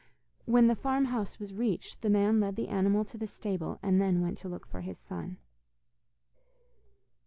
When the farm house was reached, the man led the animal to the stable, and then went to look for his son.